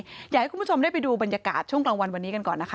อยากให้คุณผู้ชมได้ไปดูบรรยากาศช่วงกลางวันวันนี้กันก่อนนะคะ